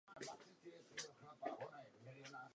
Samotné umělecké ztvárnění mariánských sloupů je rozmanité.